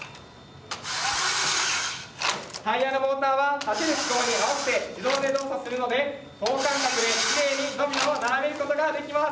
タイヤのモーターは立てる機構に合わせて自動で動作するので等間隔できれいにドミノを並べることができます。